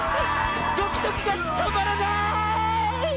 ドキドキがとまらない！